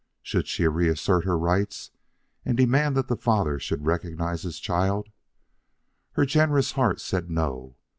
Should she reassert her rights and demand that the father should recognize his child? Her generous heart said No.